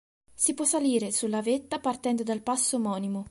Si può salire sulla vetta partendo dal passo omonimo.